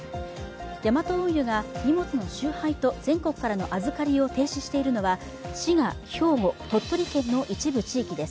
ヤマト運輸が荷物の集配と全国からの預かりを停止しているのは滋賀、兵庫、鳥取県の一部地域です。